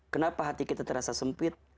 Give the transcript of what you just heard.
kenapa hati kita terasa sempit